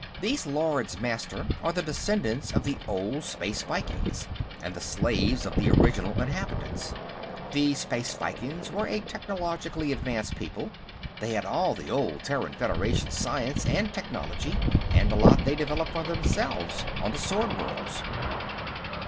"These Lords Master are the descendants of the old Space Vikings, and the slaves of the original inhabitants. The Space Vikings were a technologically advanced people; they had all the old Terran Federation science and technology, and a lot they developed for themselves on the Sword Worlds."